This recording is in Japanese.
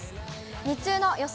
日中の予想